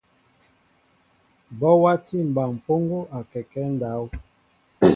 Bɔ watí mɓaŋ mpoŋgo akɛkέ ndáw.